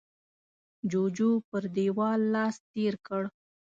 جوجو پر دېوال لاس تېر کړ.